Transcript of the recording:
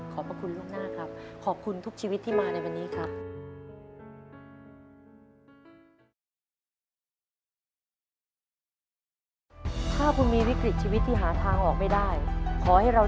พระคุณล่วงหน้าครับขอบคุณทุกชีวิตที่มาในวันนี้ครับ